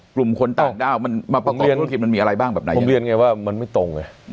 กลุ่มคนต่างด้ามาประกอบธุรกิจมันมีอะไรบ้างผมเรียนไงว่ามันไม่ตรง